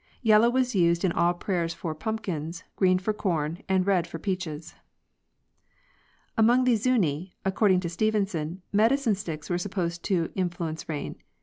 Yellow was used in all prayers for pumpkins, green for corn, and red for peaches. Among the Zuni, according to Stevenson, medicine sticks were supposed to influence rain.